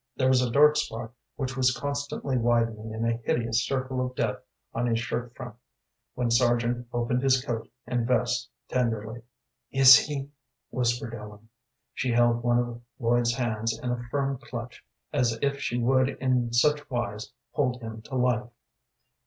There was a dark spot which was constantly widening in a hideous circle of death on his shirt front when Sargent opened his coat and vest tenderly. "Is he " whispered Ellen. She held one of Lloyd's hands in a firm clutch as if she would in such wise hold him to life.